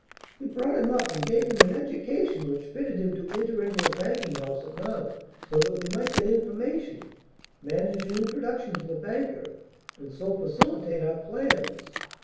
"He brought him up, and gave him an education which fitted him to enter into a banking house at Nantes, so that we might get information, manage an introduction to the banker, and so facilitate our plans.